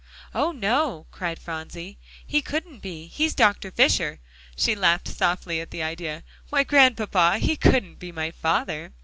"Oh, no!" cried Phronsie, "he couldn't be; he's Dr. Fisher." She laughed softly at the idea. "Why, Grandpapa, he couldn't be my father."